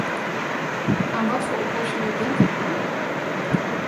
Aan wat voor oplossingen denk ik dan?